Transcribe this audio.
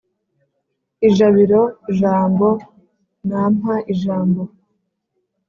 ijabiro jambo nampa ijambo